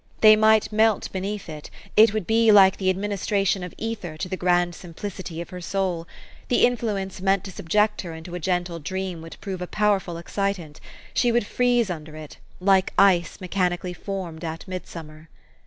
They might melt beneath THE STORY OF AVIS. 115 it : it would be like the administration of ether to the grand simplicity of her soul ; the influence meant to subject her into a gentle dream would prove a, powerful excitant ; she would freeze under it, like ice mechanically formed at mid summer.